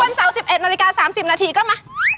วันศาลสิบเอ็ดหน้าศาลสิบนาทีก็มา